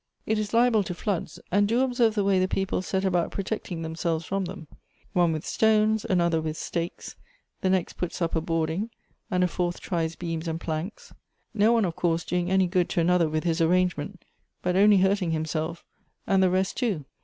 It is liable to floods ; and do observe the way the people set about protecting themselves from them ; one with stones, another with stakes; the next puts up a boarding, and a fourth tries beams and planks ; no one, of course, doing any good to another with his arrangement, but only Imrting himself and the rest too.